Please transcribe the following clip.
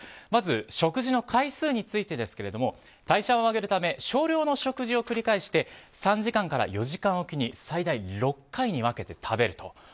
まず食事の回数についてですが代謝を上げるため少量の食事を繰り返して３時間から４時間おきに最大６回に分けて食べる。